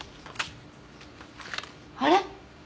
あれ？